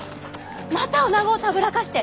またおなごをたぶらかして！